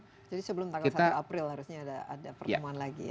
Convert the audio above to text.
jadi sebelum tanggal satu april harusnya ada pertemuan lagi ya